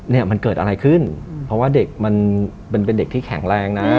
เนี่ยมันเกิดอะไรขึ้นเพราะว่าเด็กมันเป็นเด็กที่แข็งแรงนะ